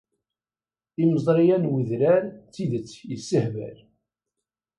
Imeẓri-a n wedrar d tidet yessehbal.